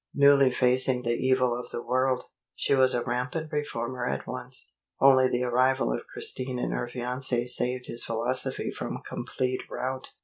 Newly facing the evil of the world, she was a rampant reformer at once. Only the arrival of Christine and her fiance saved his philosophy from complete rout.